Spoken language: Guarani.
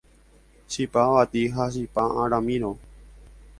Chipa avati ha chipa aramirõ